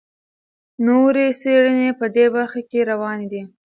نورې څېړنې په دې برخه کې روانې دي.